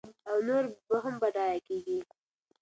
او نور به هم بډایه کېږي.